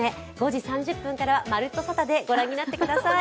５時３０分からは「まるっとサタデー」御覧になってください。